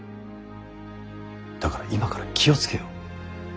だから今から気を付けよ。